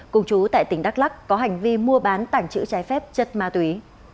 cùng chú tại tỉnh đắk lắc có hành vi mua bán tảng chữ trái phép chất ma túy